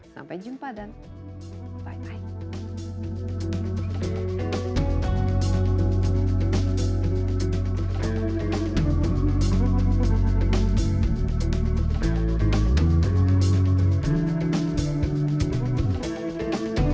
sampai jumpa dan bye bye